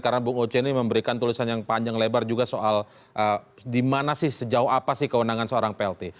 karena bung oce ini memberikan tulisan yang panjang lebar juga soal di mana sih sejauh apa sih kewenangan seorang plt